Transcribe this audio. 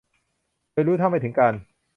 โดยรู้เท่าไม่ถึงการณ์